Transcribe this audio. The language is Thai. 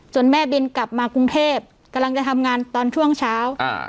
แม่บินกลับมากรุงเทพกำลังจะทำงานตอนช่วงเช้า